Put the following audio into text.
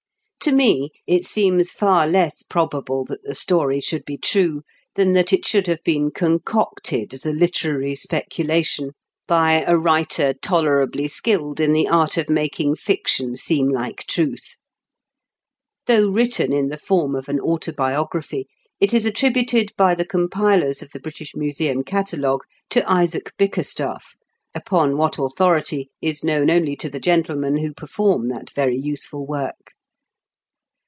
To me it seems far less probable that the story should be true, than that it should have been concocted as a literary speculation by 220 IN KENT WITH CHARLES DICKENS. a writer tolerably skilled in the art of making fiction seem like truth. Though written in the form of an autobiography, it is attributed by the compilers of the British Museum cata logue to " Isaac BickerstaflF/' upon what authority is known only to the gentlemen who perform that very useful work.